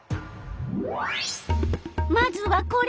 まずはこれ！